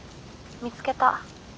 見つけた。